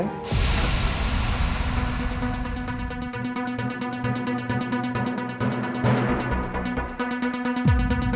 nah tuh tuh jessica tuh